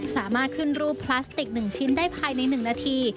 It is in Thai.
สามารถขึ้นรูปพลาสติก๑ชิ้นได้ภายใน๑นาที